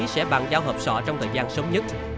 sẽ bàn giao hợp sọ trong thời gian sớm nhất